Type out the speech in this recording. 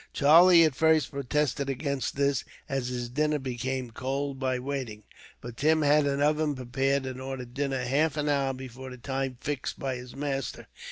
Charlie at first protested against this, as his dinner became cold by waiting; but Tim had an oven prepared, and ordered dinner half an hour before the time fixed by his master.